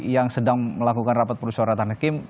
yang sedang melakukan rapat perusahaan ratan hakim